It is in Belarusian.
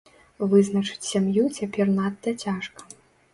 Вызначыць сям'ю цяпер надта цяжка.